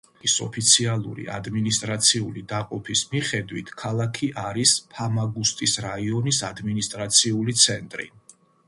კვიპროსის რესპუბლიკის ოფიციალური ადმინისტრაციული დაყოფის მიხედვით ქალაქი არის ფამაგუსტის რაიონის ადმინისტრაციული ცენტრი.